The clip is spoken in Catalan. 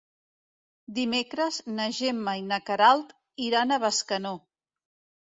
Dimecres na Gemma i na Queralt iran a Bescanó.